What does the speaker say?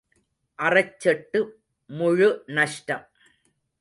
அறச் செட்டு முழு நஷ்டம்.